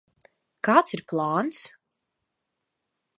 Kāds ir plāns?